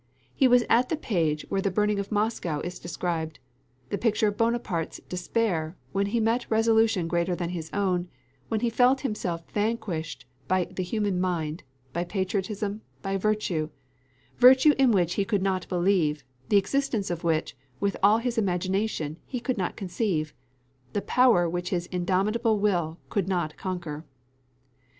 He was at the page where the burning of Moscow is described the picture of Buonaparte's despair, when he met resolution greater than his own, when he felt himself vanquished by the human mind, by patriotism, by virtue virtue in which he could not believe, the existence of which, with all his imagination, he could not conceive: the power which his indomitable will could not conquer.